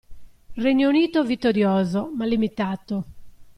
Regno Unito vittorioso, ma limitato.